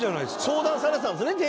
相談されてたんですよね？